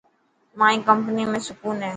مائي ڪمپني ۾ سڪون هي.